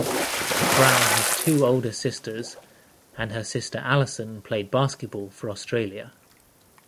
Brown has two older sisters and her sister Allyson played basketball for Australia.